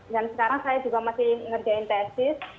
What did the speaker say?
dan sekarang saya juga masih ngerjain tesis